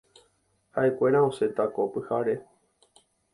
Ha’ekuéra osẽta ko pyhare.